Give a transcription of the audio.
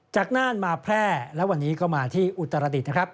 น่านมาแพร่และวันนี้ก็มาที่อุตรดิษฐ์นะครับ